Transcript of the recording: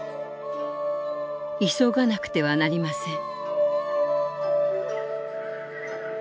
「急がなくてはなりません」。